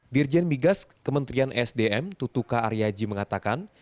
dirjen migas kementerian sdm tutuka aryaji mengatakan